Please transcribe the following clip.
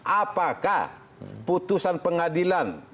apakah putusan pengadilan